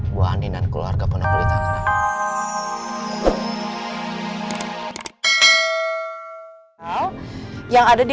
bawang din dan keluarga pun apelitang